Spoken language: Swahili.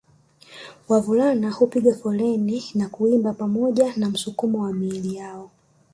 Wavulana hupiga foleni na kuimba pamoja na msukumo wa miili yao